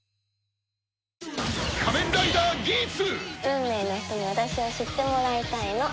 運命の人に私を知ってもらいたいの。